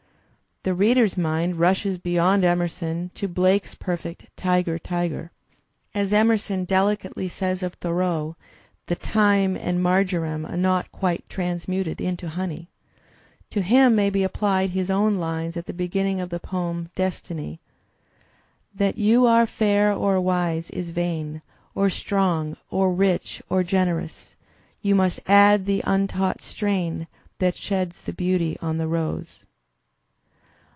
The reader's mind rushes beyond Emerson to Blake's perfect "Tiger, Tiger." As Emerson delicately says of Thoreau, the thyme and marjoram are not quite transmuted into honey. To him may be applied his own lines at the beginning of the poem, "Destmy": That you are fair or wise is vain. Or strong, or rich, or generous; You must add the untaught strain That sheds beauty on the rose.